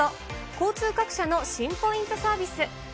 交通各社の新ポイントサービス。